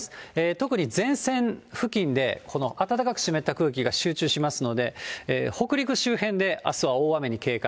特に前線付近で、この暖かく湿った空気が集中しますので、北陸周辺であすは大雨に警戒。